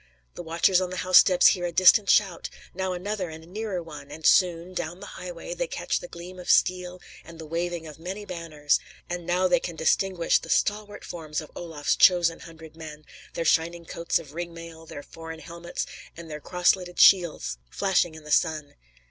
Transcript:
The watchers on the housetops hear a distant shout, now another and nearer one, and soon, down the highway, they catch the gleam of steel and the waving of many banners; and now they can distinguish the stalwart forms of Olaf's chosen hundred men, their shining coats of ring mail, their foreign helmets, and their crossleted shields flashing in the sun.